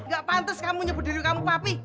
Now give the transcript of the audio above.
gak pantes kamu nyebut diri kamu papi